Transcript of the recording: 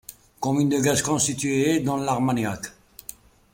Commune de Gascogne située dans l'Armagnac.